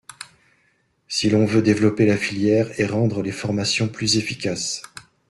Si l’on veut développer la filière et rendre les formations plus efficaces.